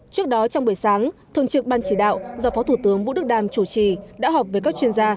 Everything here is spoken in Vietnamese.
trước đó trong buổi sáng thường trực ban chỉ đạo do phó thủ tướng vũ đức đam chủ trì đã họp với các chuyên gia